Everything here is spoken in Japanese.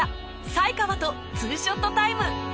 才川と２ショットタイム